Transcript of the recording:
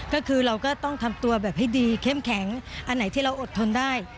ก็คือเราก็ต้องทำตัวแบบให้ดีเข้มแข็งอันไหนที่เราอดทนได้